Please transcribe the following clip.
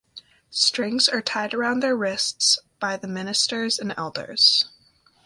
Strings are tied around their wrists by the ministers and elders.